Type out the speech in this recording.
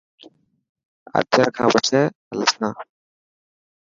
اچر کان پڇي هلسان.